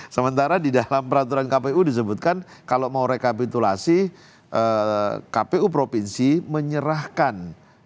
sementara di dalam peraturan kpu disebutkan kalau mau rekapitulasi kpu provinsi menyerahkan